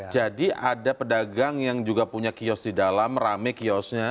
jadi ada pedagang yang juga punya kios di dalam rame kiosnya